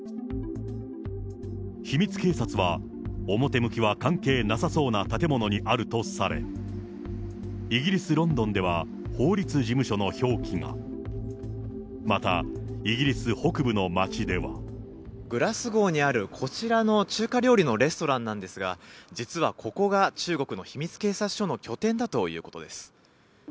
秘密警察は表向きは関係なさそうな建物にあるとされ、イギリス・ロンドンでは、法律事務所の表記が。また、グラスゴーにあるこちらの中華料理のレストランなんですが、実はここが中国の秘密警察署の拠点だということです。